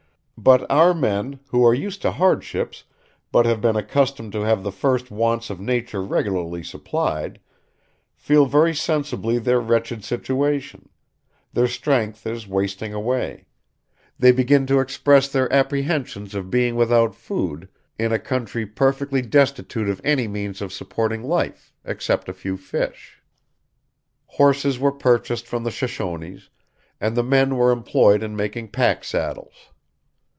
But our men, who are used to hardships, but have been accustomed to have the first wants of Nature regularly supplied, feel very sensibly their wretched situation; their strength is wasting away; they begin to express their apprehensions of being without food in a country perfectly destitute of any means of supporting life, except a few fish." Horses were purchased from the Shoshones, and the men were employed in making pack saddles.